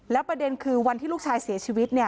ประเด็นคือวันที่ลูกชายเสียชีวิต